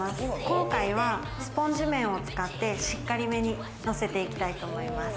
今回はスポンジ面を使って、しっかり目にのせていきたいと思います。